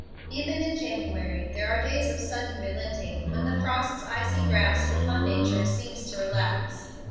Even in January there are days of sudden relenting, when the frost's icy grasp upon nature seems to relax.